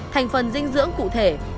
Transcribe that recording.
thành phần dinh dưỡng cụ thể